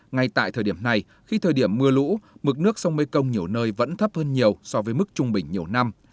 ngay tại thời điểm này khi thời điểm mưa lũ mực nước sông mekong nhiều nơi vẫn thấp hơn nhiều so với mức trung bình nhiều năm